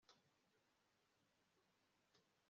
bucya bucyana ayandi